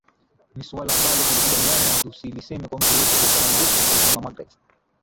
ni suala ambalo tulikubaliana tusiliseme kwa mtu yeyote kwa usalama wetu alisema magreth